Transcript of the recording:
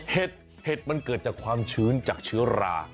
เห็ดมันเกิดจากความชื้นจากเชื้อรา